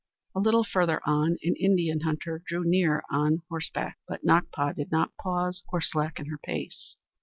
A little further on, an Indian hunter drew near on horseback, but Nakpa did not pause or slacken her pace.